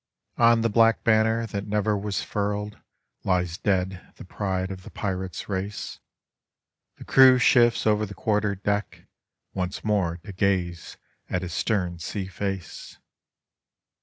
On the black banner that never was furled Lies dead the pride of the pirate's race, The crew si lifts over the quarter deck Onee more to gaze at his stern sea face.